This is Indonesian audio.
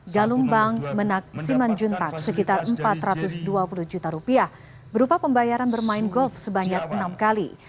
galumbang menak simanjuntak sekitar empat ratus dua puluh juta rupiah berupa pembayaran bermain golf sebanyak enam kali